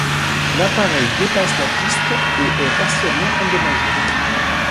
L'appareil dépasse la piste et est partiellement endommagé.